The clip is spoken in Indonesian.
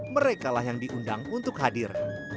mereka lah yang diundang untuk hadir